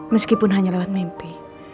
meskipun hanya lewat mimpi